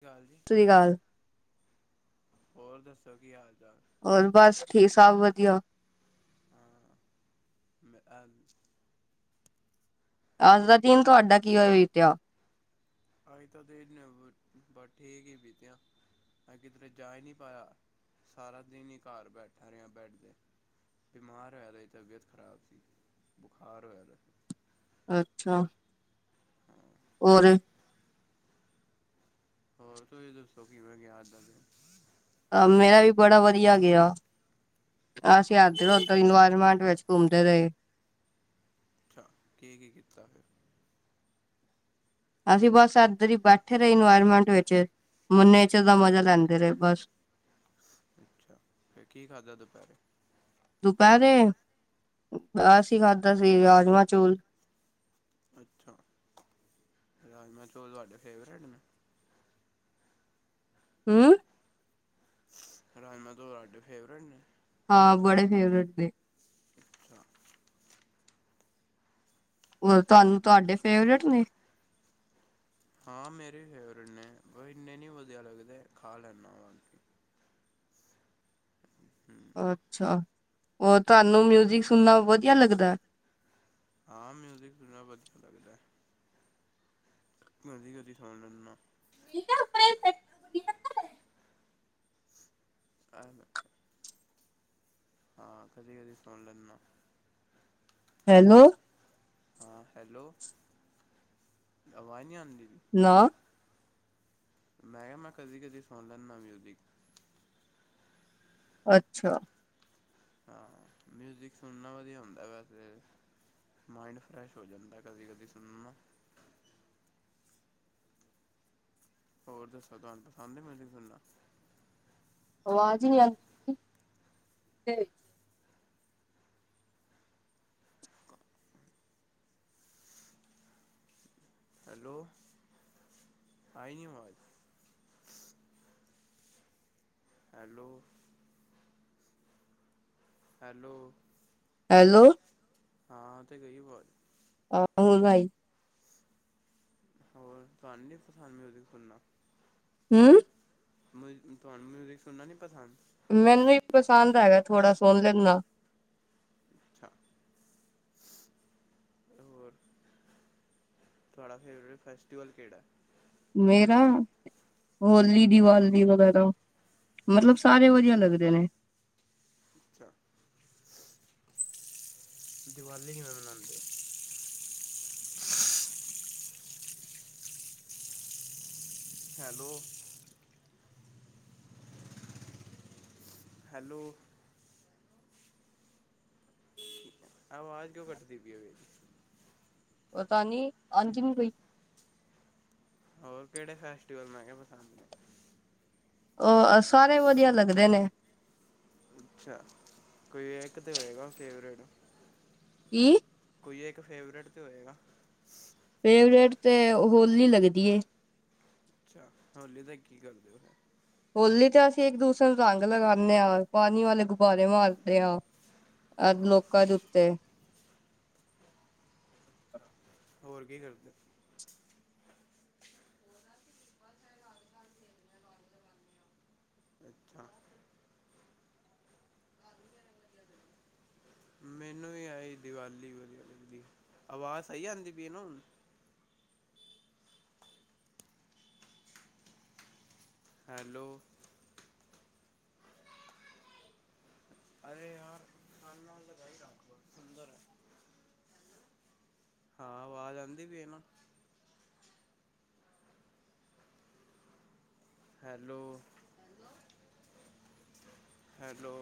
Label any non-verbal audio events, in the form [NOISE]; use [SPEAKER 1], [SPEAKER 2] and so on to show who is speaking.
[SPEAKER 1] ਕੀ ਹਾਲ ਜੀ?
[SPEAKER 2] ਸਤਿ੍ਰੀ ਅਕਾਲ।
[SPEAKER 1] ਹੋਰ ਦੱਸੋ ਕੀ ਹਾਲ- ਚਾਲ?
[SPEAKER 2] ਹੋਰ ਬਸ ਠੀਕ ਸਭ ਵਧੀਆ।
[SPEAKER 1] ਹ ਮੈਂ। [UNINTELLIGIBLE]
[SPEAKER 2] ਅੱਜ
[SPEAKER 1] ਹੈਲੋ
[SPEAKER 2] ਦਾ ਦਿਨ ਤੁਹਾਡਾ ਕੀਵੇ ਬੀਤਿਆ?
[SPEAKER 1] ਅਜ ਦਾ ਦਿਨ ਬਸ ਠੀਕ ਹੀ ਬੀਤਿਆ। ਮੈਂ ਕਿਧਰੇ ਜਾ ਈ ਨੀ ਪਾਇਆ, ਸਾਰਾ ਦਿਨ ਹੀ ਘਰ ਬੈਠਾ ਰਿਹਾ ਬੈਡ ਤੇ। ਬਿਮਾਰ ਹੋਇਆ ਪੈ ਤਬੀਅਤ ਖਰਾਬ ਸੀ ਬੁਖਾਰ ਹੋਇਆ ਪਿਆ।
[SPEAKER 2] ਅੱਛਾ।
[SPEAKER 1] ਹਾਂ।
[SPEAKER 2] ਹੋਰ?
[SPEAKER 1] ਹੋਰ ਤੁਸੀਂ ਦੱਸੋ ਕਿਵੇਂ ਗਿਆ ਅੱਜ ਦਾ ਦਿਨ?
[SPEAKER 2] ਮੇਰਾ ਵੀ ਬੜਾ ਵਧੀਆ ਗਿਆ। ਅਸੀਂ ਇੱਧਰ- ਉਧਰ ਇਨਵਾਇਰ ਮਾੱਟ ਵਿੱਚ ਘੁੰਮਦੇ ਰਹੇ।
[SPEAKER 1] ਅੱਛਾ ਕੀ- ਕੀ ਕੀਤਾ ਫੇਰ
[SPEAKER 2] ਅਸੀਂ ਬਸ ਇਧਰ ਈ ਬੈਠੇ ਰਹੇ ਇਨਵਾਇਰਮੈਂਟ ਵਿੱਚ ਨੇਚਰ ਦਾ ਮਜਾ ਲੈਂਦੇ ਰਹੇ, ਬਸ।
[SPEAKER 1] ਅੱਛਾ, ਫੇਰ ਕੀ ਖਾਧਾ ਦੁਪਹਿਰੇ?
[SPEAKER 2] ਦੁਪਹਿਰੇ, ਅਸੀਂ ਖਾਧਾ ਸੀ ਰਾਜਮਾਂ- ਚੋਲ।
[SPEAKER 1] ਅੱਛਾ ਰਾਜਮਾ ਚੌਲ ਤੁਹਾਡੇ ਫੇਵਰੇਟ ਨੇ?
[SPEAKER 2] ਹੂੰ?
[SPEAKER 1] ਰਜਮਾ ਤੁਹਾਡੇ ਫੇਵਰੇਟ ਨੇ?
[SPEAKER 2] ਹਾਂ, ਬੜੇ ਫੇਵਰੇਟ ਨੇ।
[SPEAKER 1] ਛਾ।
[SPEAKER 2] ਔਰ ਤੁਹਾਨੂੰ ਤੁਹਾਡੇ ਫੇਵਰੇਟ ਨੇ?
[SPEAKER 1] ਹਾਂ, ਮੇਰੇ ਵੀ ਫੇਵਰੇਟ ਨੇ ਪ ਇੰਨੇ ਨੀ ਵਧੀਆ ਲੱਗਦੇ, ਖਾ ਲੈਂਦਾ ਵਾ ਬਾ- ਹੂੰ -ਹੂੰ।
[SPEAKER 2] ਅੱਛਾ, ਹੋਰ ਤੁਹਾਨੂੰ ਮਿਊਜਿਕ ਸੁਣਨਾ ਵਧੀਆ ਲੱਗਦਾ?
[SPEAKER 1] ਹਾਂ ਮਿਊਜ਼ਿਕ ਸੁਨਾਨਾ ਵਧੀਆ ਲੱਗਦਾ। ਕਦੀ-ਕਦੀ ਸੁਣ ਲੈਣਾਨਾ।
[SPEAKER 2] ਜਦੇ ਉ [UNINTELLIGIBLE]
[SPEAKER 1] ਕਾਦਾ [UNINTELLIGIBLE] ਹਾਂ ਕਦੀ- ਕਦੀ ਸੂਣ ਲੈ ਨਾ।
[SPEAKER 2] ਹੈਲੋ।
[SPEAKER 1] ਹਾਂ ਹੈਲੋ, ਆਵਾਜ਼ ਨੀ ਆਂਦੀ ਪੀ?
[SPEAKER 2] ਨਾ।
[SPEAKER 1] ਮੈਂ ਕਿਹਾ ਮੈਂ ਕਦੀ- ਕਦੀ ਸੁਣ ਲੈਂਦਾ ਮਿਊਜ਼ਿਕ।
[SPEAKER 2] ਅੱਛਾ।
[SPEAKER 1] ਹਾਂ ਮਿਊਜਿਕ ਸੁਣਨਾ ਵਧੀਆ ਹੁੰਦਾ ਵੈਸੇ। ਮਾਇੰਡ ਫਰੈਸ਼ ਹੋ ਜਾਂਦਾ ਕਦੀ- ਕਦੀ ਸੁਣ ਨਾ- ਹੋਰ ਦੱਸੋ, ਤੁਹਾਨੂੰ ਪਸੰਦ ਏ ਮਿਊਜਿਕ ਸੁਣਨਾ?
[SPEAKER 2] ਆਵਾਜ਼ ਨੀ ਆ- ਠੀ [UNINTELLIGIBLE]
[SPEAKER 1] ਹੈਲੋ, ਆਨੀ ਆਵਾਜ਼। ਹੈਲੋ, ਹੈਲੋ,
[SPEAKER 2] ਹੈਲੋ,
[SPEAKER 1] ਆ ਤੇ ਗਈ ਆਵਾਜ਼।
[SPEAKER 2] ਹਾ ਬੋਲ ਭਾਈ।
[SPEAKER 1] ਹੋਰ ਤੁਾਨ ਨਹੀ ਪਸੰਦ ਮਿਯੂਜਿਕ ਸੁਣਨਾ।
[SPEAKER 2] ਹੂ
[SPEAKER 1] ਮ ਤੁਹਾਨੂੰ ਮਿਊਜ਼ਿਕ ਸੁਣਨਾ ਨਹੀ ਪਸੰਦ।
[SPEAKER 2] ਮੈਨੂੰ ਹੀ ਪਸੰਦ ਹੈਗਾ ਥੋੜ੍ਹਾ ਸੋਣ ਲੈਂਦਾ।
[SPEAKER 1] ਅੱਛਾ ਹੋਰ ਤੁਹਾਡਾ ਫੇਵਰੇਟ ਫੈਸਟਟੀਵਲ ਕਿਹੜਾ?
[SPEAKER 2] ਮੇਰਾ ਹੋਲੀ, ਦੀਵਾਲੀ ਵਗੈਰਾ ਮਤਲਬ ਸਾਰੇ ਵਧੀਆ ਲੱਗਦੇ ਨੇ।
[SPEAKER 1] ਅੱਛਾ। ਦਿਵਾਲੀ ਕਿਵੇ ਮਨਾਨਉਦੇ? ਹੈਲੋ, ਹੈਲੋ, ਆਵਾਜ਼ ਕਿਉਂ ਕੱਟਦੀ ਪਈ ਹੈੇਰੀ।
[SPEAKER 2] ਪਤਾ ਨਹੀ, ਆਂਦੀ ਨਹੀ ਪਈ।
[SPEAKER 1] ਹੋਰ ਕਿਹੜੇ ਫੈਸਟੀਵਲ ਮੈਂ ਕਿਹਾ ਪਸੰਦ ਨੇ?
[SPEAKER 2] ਉਹ ਸਾਰੇ ਵਧੀਆ ਲੱਗਦੇ ਨੇ।
[SPEAKER 1] ਅੱਛਾ। ਕੋਈ ਇਕ ਤਾਂ ਹੋਏਗਾ ਫੇਵਰੇਟ।
[SPEAKER 2] ਕੀ।
[SPEAKER 1] ਕੋਈ ਇੱਕ ਫੇਵਰੇਟ ਤੇ ਹੋਏਗਾ।
[SPEAKER 2] ਫੇਵਰੇਟ ਤੇ ਹੋਲੀ ਲੱਗਦੀ ਹੈ।
[SPEAKER 1] ਅੱਛਾ ਹੋਲੀ ਤੇ ਕੀ ਕਰਦੇ ਹੋ?
[SPEAKER 2] ਹੋਲੀ ਤੇ ਅਸੀਂ ਇੱਕ ਦੂਸਰੇ ਨੂੰ ਰੰਗ ਲਗਾਉਂਦੇ ਹਾਂ, ਪਾਣੀ ਵਾਲੇ ਗੁਬਾਰੇ ਮਾਰਦੇ ਹਾਂ। ਅਜ ਲੋਕਾ ਜ ਉੱਤੇ
[SPEAKER 1] ਹੋਰ ਕੀ ਕਰਦੇ ਹੋ। ਅੱਛਾ। ਮੈਨੂੰ ਵੀ ਆਈ ਦੀਵਾਲੀ ਵਧੀਆ ਲੱਗਦੀ, ਆਵਾਜ਼ ਸਹੀ ਆਉਂਦੀ ਪਈ ਇਹ ਨਾ ਹੁਨ। ਹੈਲੋ, ਅ ਯਾਰ ਕਾਨ ਨਾਲ ਲਗਈ ਰੱਖ ਸੁੰਦਰ ਹੈ। ਹਾਂ, ਆਵਾਜ਼ ਆਉਂਦੀ ਪਇ ਇਹ ਨਾ। Hello, hello,